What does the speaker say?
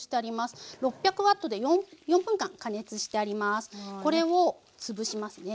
これをつぶしますね。